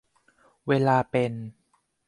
เวลาเป็น